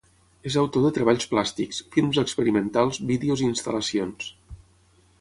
És autor de treballs plàstics, films experimentals, vídeos i instal·lacions.